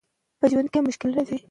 پښتو ويبپاڼې ورځ تر بلې زياتېږي.